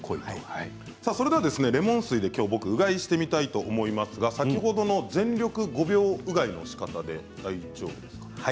レモン水でうがいをしてみたいと思いますが先ほどの全力５秒うがいのしかたでいいですか？